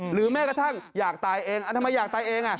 แม้กระทั่งอยากตายเองทำไมอยากตายเอง